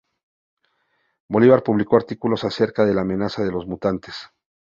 Bolivar publicó artículos acerca de la amenaza de los mutantes.